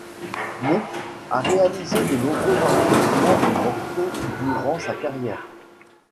Monk a réalisé de nombreux enregistrements du morceau durant sa carrière.